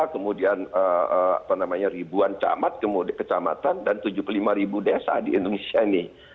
kemudian ribuan camat kemudian kecamatan dan tujuh puluh lima ribu desa di indonesia ini